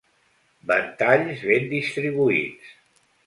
Ventalls ben distribuïts.